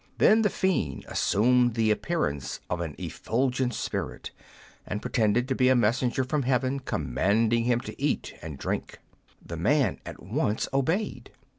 Then the fiend assumed the appearance of an effulgent spirit, and pretended to be a messenger from heaven commanding him to eat and drink. The man at once obeyed.